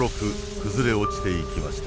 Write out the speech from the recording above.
崩れ落ちていきました。